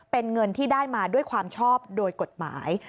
เป็นเงินที่ได้มาด้วยความชอบโดยกฎหมาย